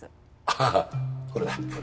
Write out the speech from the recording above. ああこれだこれ。